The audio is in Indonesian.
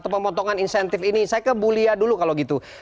pemotongan insentif ini saya ke bulia dulu kalau gitu